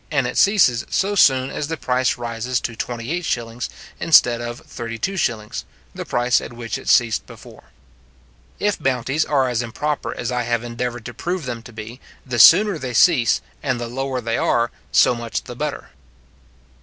and it ceases so soon as the price rises to 28s. instead of 32s. the price at which it ceased before. If bounties are as improper as I have endeavoured to prove them to be, the sooner they cease, and the lower they are, so much the better.